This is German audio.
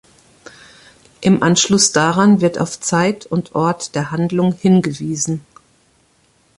Im Anschluss daran wird auf Zeit und Ort der Handlung hingewiesen.